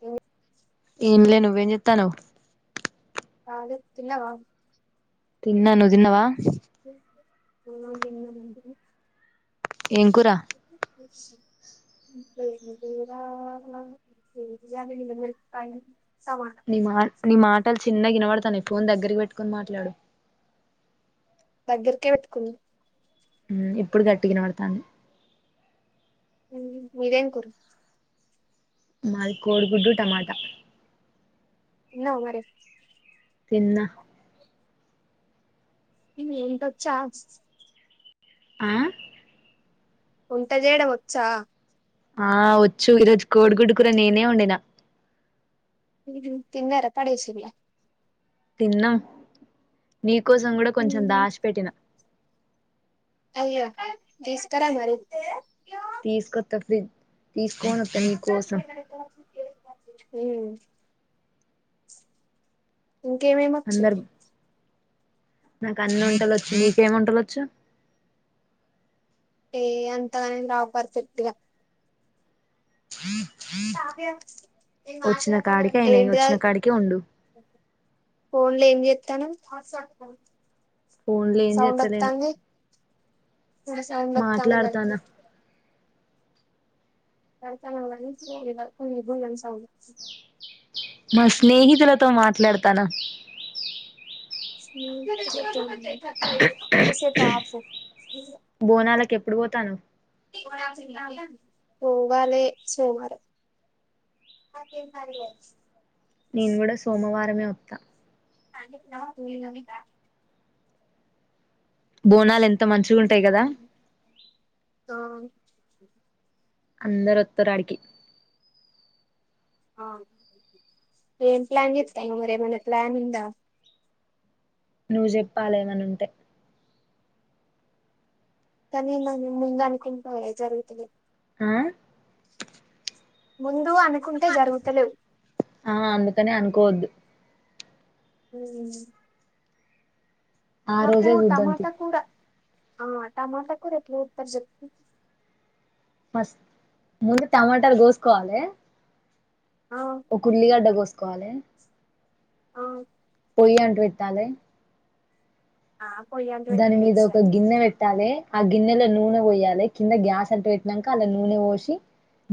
ఇ ఏమిలే నువ్వేం చెత్తనవ్ కాలి తిన్నావా తిన్నా నువ్వు ఇ తిన్నవా తిన్న తిన్నావా నువ్ ఏం కూర ఏం కూర బిర్యానీ మిరపకాయి నిీ మాట్ నిీ మాటల్ చిన్నగ వినబడతానయి ఫోన్ దగ్గరికి పెట్టుకొని మాట్లాడు దగ్గరకే పెట్టుకుం హు ఇప్పుడు గట్టిగ వినబడతానయి మీదేం కుర మాది కోడిగుడ్డు టమాటా తిన్నావా మరే తిన్నా [unintelligible] చ్చ ఆ వంట చేయడం వచ్చా ఆ వచ్చు ఈరోజు కోడిగుడ్డు కూరా నేనే వండినా మీరు తిన్నార పడే సిల్లా తిన్నా మీ కోసం కూడా కొంచెం దాష్ పెట్టిన అయ్యా తీస్కరా మరి తీసుకోత్త ఫ్రీ తీసుకోని వోత్త నీకోసం ఉ ఇంకేమేమి వచ్చు అందరు నాకు అన్ని వంటలొచ్చు నీకేమి వంటలొచ్చు ఏ అంతగానం ఎం రావు పెర్ఫెక్ట్ గా వోచ్చిన కాడికయినాయి వోచ్చిన ఏంటిదది కాడికే వండు ఫోన్ లో ఏం చెత్తన్నవ్ ఫోన్ లో ఏం చేత్త లెను నా సౌండ్ అత్తంది గాలికి అవు [unintelligible] భు అని సౌండ్ అత్తుంది. మా స్నేహితులతో మాట్లాడతాన్న స్నేహితులతోనా కోసెపు ఆపు బోనాలకు ఎప్పుడు పోతాను పోవాలె సోమవారం నేను కూడా సోమవారం మే ఆత్తా హ్ బోనాలు ఎంత మంచి గా ఉంటాయి గాదా అందరొత్తరు ఆడికి ఏం ప్లాన్ చెత్తన్నావ్. మరీ ఏమన్నా ప్లాన్ ఉం ద నువ్వు చెప్పాలే ఏమన్నా ఉంటే కానీ మనం ముందు అనుకుంటె జరుగుతలేదు. ఆ [unintelligible] జరుగుతలేవు ఆ అందుకనే అనుకోవద్దు ఉమ్ ఆ రోజే చూద్దంత టమాటా కూర ఆ టమాటా కూడారట్లు పారు చెప్ మస్ ముందు టమాటాలు గోసుకోవాలి. ఆ ఒక ఉల్లి గడ్డ గొస్త కాల ఆవు పోయ్య అంట పెట్టాలె ఆ పొయ్యి అంట పెట్టి దాని మీద తెలుసు ఒక గాని గిన్నె పెట్టాలె. ఆ గిన్నెలో నూనె పోయాలి. కింద గ్యాస్ అంట పెట్టినాక అలా నూనె పోసి,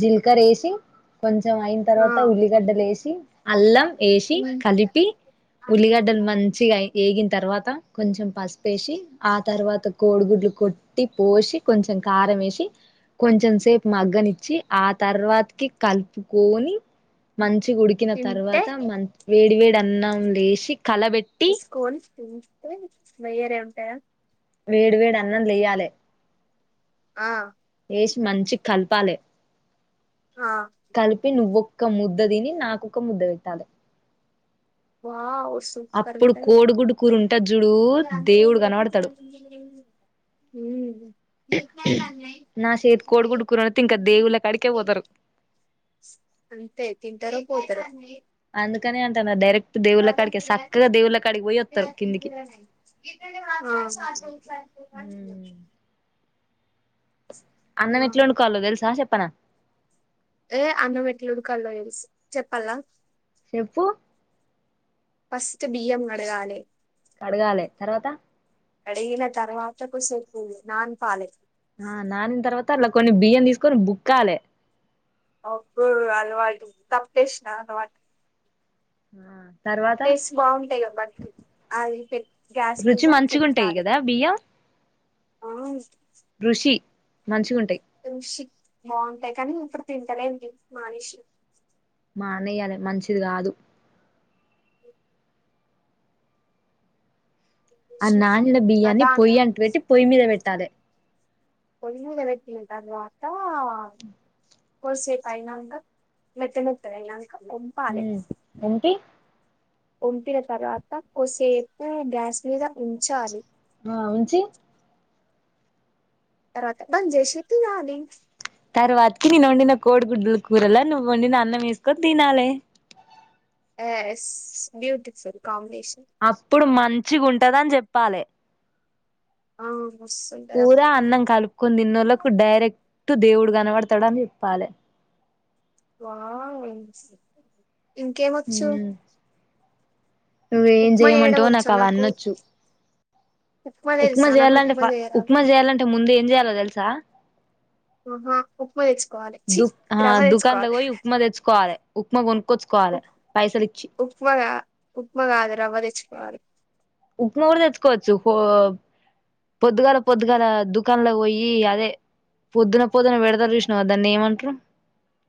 జీలకరేసి. కొంచెం అయిన ఆ తర్వాత ఉల్లిగడ్డలు ఎసి అల్లం వేసి ఉమ్. కలిపి. ఉల్లిగడ్డలు మంచిగాయి ఎగిన తర్వాత కొంచెం పస్ వేసి ఆ తర్వాత కోడిగుడ్లు కొట్టి పోసి, కొంచెం కారం వేసి, కొంచెం సేపు మగ్గనిచ్చి ఆ తర్వాతకి కలుపుకొని మంచి ఉడికిన తింటే తర్వాత మన్ వేడి వేడి అన్నం లేసి కలబెట్టి వేసుకొని తింటే వేరే ఉంటాయా వేడి వేడి అన్నం లేయ్యాలి. ఆ వెశి మంచి కల్పాలే ఆ కలిపి నువు ఒక ముద్ద తిని. నాకొ ఒక ముద్ద పెట్టాలి. వావ్ సూపర్ అప్పుడు ఉంటాది కోడిగుడ్డు కూర ఉంటది చూడు ఇగ దేవుడు కనబడతాడు [unintelligible] [unintelligible] నా చేతి కోడిగుడ్డు కూర వండితే ఇంకా దేవుళ్ళ కాడికే పోతారు అంతే తింటార పోతార అ [unintelligible] అందుకని అంట డైరెక్ట్ దేవుళ్ళ కాడికే చక్కగా దేవుళ్ళ కాడికి పోయి వస్తారు [unintelligible] కిందికి వెవ ఇ అన్నం ఎట్లా వండుకోవాలో తెలుసా చెప్ప. ప్పునా ఏ అన్నం ఎట్లుడుకల్లో తెలుసు చెప్పల చెప్పు బియం కడగాలే కడగాలి తర్వాత అడగిన తర్వాతకు సరుపోంది. నాన్ పాలెక్ ఆ నానిన తర్వాత ర్లా కొన్ని బియ్యం తీసుకొని బుక్కాలి అబ్బో అలవాటు తప్పేసిన అనమాట ఆ తర్వాత టేస్ట్ బాగుంటాయి కదా బట్లు అది పె రుచి మంచిగా ఉంటాయి కదా బియ్యం ఆ రుషి మంచిగా ఉం ఋషి బాగుంటాయి కానీ అప్ తింటానే వుంది మనిషి మానేయ్యాలి మంచిది కాదు ఆ నాణిన బియ్యాన్ని పొయ్యి దానికి అంటూ పెట్టి పొయ్యి మీద పెట్టాలి ఇంగ తర్వాత కోద్ధిసేపు అయినంక మెత్త మెత్త అయినం ఊ దింపి వొంచిన తర్వాత కోసేపు గ్యాస్ మీద ఉంచాలి ఆ ఉంచి తర్వాత బంచేసి తీయాలి తర్వాతకి నేను వండిన కోడిగుడ్ల కూరలా నువ్వు వండిన అన్నం వేసుకొని తినాలే ఎస్ బ్యూటిఫుల్ కాంబినే అప్పుడు మం మంచ్చిగుంటందన్ చెప్పాలే ఆ మస్తుంటది కూర అప్పుడు అన్నం కలుపుకొని తిన్నోళ్లకు డైరెక్ట్ డైరెక్టు దేవుడు కనబడతాడు అని చెప్పాలే వావ్ ఇంకేం వచ్చు ఉమ్ నువ్వేం చేయమంటావో నాకు అవన్నోచ్చు ఉప్మా తెలుసా నాకు చేయాలంటే ఉప్మా ఫ చేయరాదు ఉప్మా చేయాలంటే ముందు ఏం చేయలో తెలుసా ఆహా ఉప్మా తెచ్చుకోవాలే చి దుక్ ఆ రవ్వ దుకాన్లో తెచ్చుకోవాలే పోయి ఉప్మా తెచ్చుకోవాలి ఉప్మా కోన్ ఉప్ ఉప్మగా ఉప్మా కాదు రవ్వ తెచ్చుకోవాలి ఉప్మా కూడా తెచ్చుకోవచ్చు పొద్దుగాల పొద్దుగాల దుకాణంలో పోయి అదే పొద్దున పొద్దున పెడతారు చూసినావా దాన్ని ఏమంటారు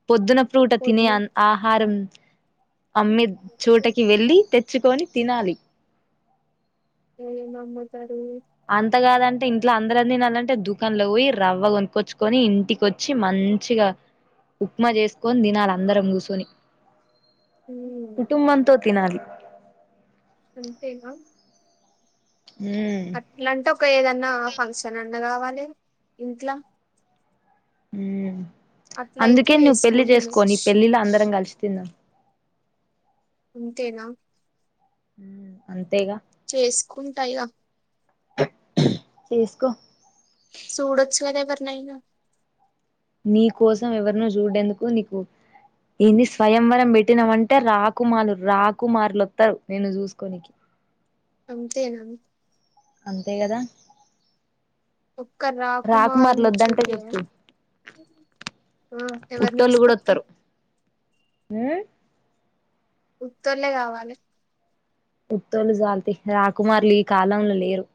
ప్రోద్దున ఫూట తినే వద్దు అన్ ఆహారం అమ్మే చోటకి వెళ్లి తే తెచ్చుకొని తినాలి ఏం అమ్ముతార్ అంత కాదంటే ఇంట్లో అందరం తినాలంటే దుఃఖ క్కలో పోయి రవ్వ కొనుకొచ్చుకొని ఇంటికొచ్చి మంచిగా ఉప్మా చేసుకొని తినాల అందరం కూసోని మ్మ్ కుటుంబంతో తినాలి అంతేగా ఉమ్ అట్లాంటే ఒక ఏదన్నా ఫంక్షన్ అం ఎన్న కావాలే ఇంట్లా ఆ అట్లయితే అందుకే నువ్వు పెళ్లి వేసుకొని చేసుకో నీ తినొచ్చు పెళ్ళిలో అందరం కలిసి తీన్న ఆన్ తేనా అంతేగా చేసుకుంటా ఇగ చేసుకో సూడచ్చు గదా ఎవరినైనా నీ కోసం ఎవరినో చూడ్డేందుకు నీకు ఇన్ని స్వయంవరం పెట్టినమం అంటే రాకుమాలురు రాకుమారులు ఒత్తరు నేను చూసుకోనికి అ చేనా అంతే కదా ఒక్క రాకుమార్లు రాకుమారిని వద్దంటే చూపి ఎ చెప్పు ఆ ఎవరిని ఉట్టోళ్ళు కూడా తీస్కత్తవ్ వత్తరు ఉమ్ ఉత్తర్లే గావాలే ఉత్తర్లు జాల్ తీ రాకుమార్లు ఈ కాలంలో లేరు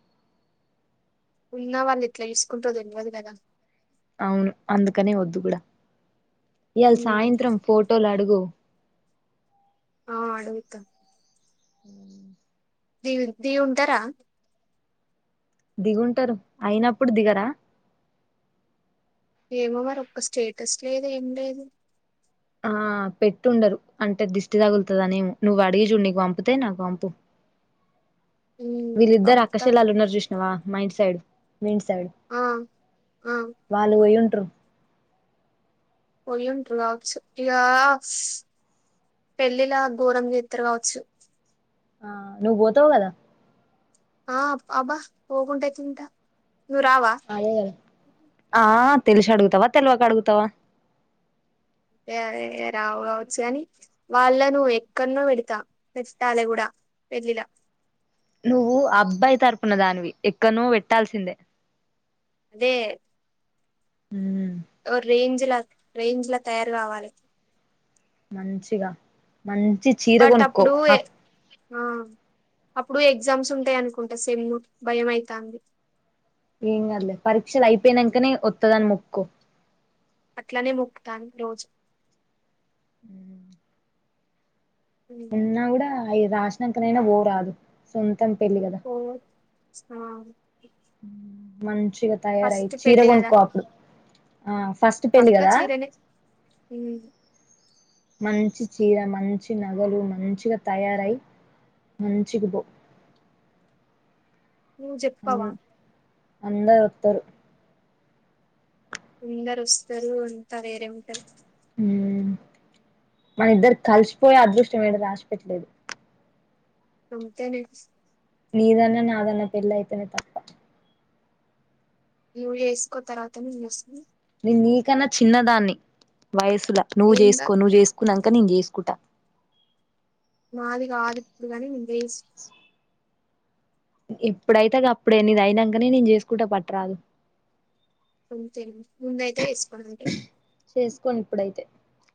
ఉన్న వాళ్ళు ఎట్ల చూస్కుంట్రో తెలియదు గదా అవును అందుకనే ఓద్దు గుడా ఇవాళ ఉమ్ సాయంత్రం ఫోటోలు అడుగు ఆ అడుగుతా ఉ దీ ద ఉంటారా దిగుంటారు అయినప్పుడు దిగరా ఏమో మరి ఒక్క స్టేటస్ లేదు ఏం లేదు ఆ పెట్టుండరు అంటే దిష్టి తగులుతుందనేో నువ్వు అడిగి చూడుకు పంపితే నాకు పంపు ఉమ్ వీళ్ళిద్దరు పంపుతా అకాశలాలు ఉన్నారు చృష్ణవా మైండ్ సైడ్ వింటసాడు ఆ ఆ వాళ్ళు పో్య కుట్ర పోయంటారు కావచ్చు ఇక పెళ్ళిలా దూరం చేతారు కావచ్చు ఆ నువ్వు పోతావు కదా ఆ అబ్బా వగుగుంటయితింట అ ఆ తెల్సు అడుగుతావా తెల్వ అడుగుతావా ఏ రావు కావచ్చు కాని వాళ్ళ నువ్వు ఎక్కడనో పెడతా పెట్టాలి కూడా పెళ్ళిళ నువ్వు అబ్బాయి తరఫున దానివి ఎక్కన పెట్టాల్సిందే అదే హ ఓ రేంజ్ల రేంజ్లా తయారు కావాలే మంచిగా మంచి చీర బట్ కొనుక్కో అప్పుడు ఆ అప్పుడు ఎగ్జామ్స్ ఉంటాయి అనుకుంటా సెమ్ము భయం అయితంది ఏం కాదలే పరీక్షలు అయిపోయినంకనే వత్తదని మొక్కుకో అట్లనే మొక్కుతన్న రోజు ఉహు ఉన్నా కూడా అయి రాషి సినంకనైన పోరాదు సొం తం పెళ్ళి కదా ఆ మం చిగ తయారయ్యి చీర కొనుకో అప్పుడు ఆ ఫస్ట్ పెళ్ళి పక్కా కదా చీరనే హ్ మంచి చీర మంచి నగలు మంచిగా తయారై మంచిగ పో నువ్ చెప్పవా అందరొత్తారు అందరు వస్తారు అంత వేరే ఉంటాది ఉ మన ఇద్దకి కలిసిపోయే అదృష్టం ఏది రాసిపెట్టలేదు అంతేనే నీదన్న నాదన్న పెళ్ళ అయితేనే తప్ప నువ్ చేసుకో తర్వాత నేను చేసుకుంట నీకన్నా చిన్నదాన్ని వయసు ల నువ్వు ఏం చేసుకో కాదు నువ్ చేసుకునంక క్క నేను చేసుకుంటా మాదిగాదు ఇప్పుడు గని వేస్ట్ ఏప్పుడైతే గప్పుడే నిది అయినాకనే నేను చేసుకుంట పట్టరాదు అంతే ముందయితే చేసుకొనంటివ్ కొను ఇప్పుడైతే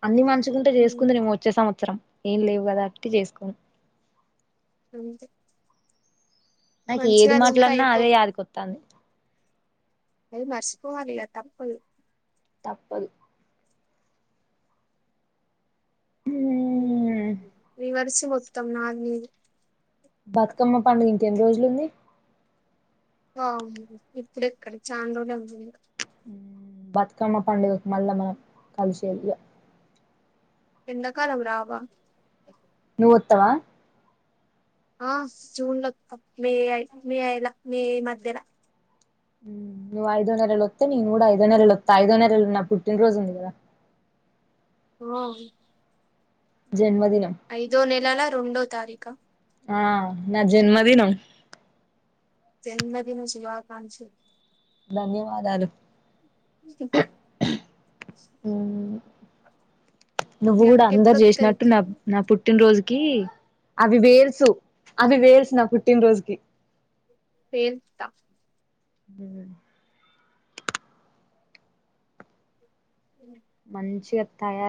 అన్ని మంచిగుంటే చేసుకుందునేమో వచ్చే సంవత్సరం ఏం లేవు కదా అటీకీ చేసుకోను అంతే నాకు మంచిగా ఏది అది ఉంటే మాట్లాడినా అయిపో అదే యాదికొత్తాంది అది మరిచిపోవలిగ తప్పదు తప్పదు రివర్స్ మొత్తం నాది నీది బతుకమ్మ పండుగ ఇంకెన్ని రోజులుంది అవును ఇప్పుడు ఇక్కడ చాండోలు అంది బతుకమ్మ పండుగకు మల్ల కలిసే విధంగా ఎందకాలం రావా నువ్వుత్తవా ఆ జూన్ లో మే ఐ మే ఐలా మే మధ్యలా నువ్వు ఐదో నెలలొత్తే నేను కూడా ఐదో నెలల ఒత్త ఐదో నెలల నా పుట్టిన రోజు ఉంది గా ఓ జన్మదినం రెండో తారీఖా ఆ నా జన్మదినం జన్మదిన శుభకాంక్ష ధన్యవాదాలు అ నువ్వు మీ కూడా అక్క అందరు ఎప్పుడొత్తది చేసినట్టు నా నా పుట్టినరోజుకి కి అవి వేల్సు అవి వేల్సు నా పుట్టినరోజుకి పేల్త హ్మ్. మంచిగా తయారు